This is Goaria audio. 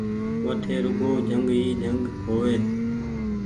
وٺي روڳو جنگ ئي جنگ هووي